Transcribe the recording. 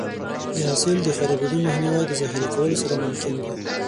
د حاصل د خرابېدو مخنیوی د ذخیره کولو سره ممکن دی.